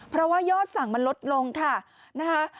เพราะว่ายอดสั่งมันลดลงค่ะนะคะ